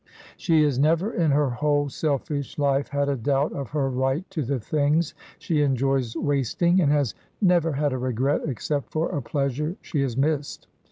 She has never in her whole selfish life had a doubt of her right to the things she enjoys wasting, and has never had a regret except for a pleasure she has missed.